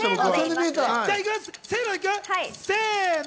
せの！